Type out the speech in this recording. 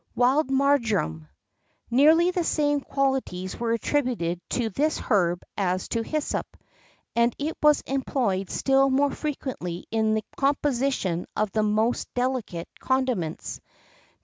WILD MARJORAM. Nearly the same qualities were attributed to this herb as to hyssop;[X 25] and it was employed still more frequently in the composition of the most delicate condiments.